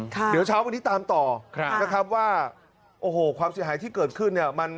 เดี๋ยวเช้าวันนี้ตามต่อนะครับว่าโอ้โหความเสียหายที่เกิดขึ้นเนี่ย